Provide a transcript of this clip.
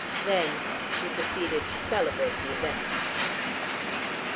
Then she proceeded to celebrate the event.